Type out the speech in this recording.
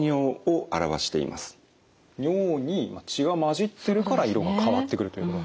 尿に血が混じってるから色が変わってくるという。